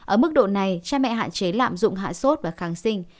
ở mức độ này cha mẹ hạn chế lạm dụng hạ sốt và kháng sinh